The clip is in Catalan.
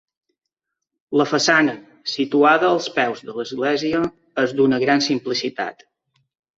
La façana, situada als peus de l'església, és d'una gran simplicitat.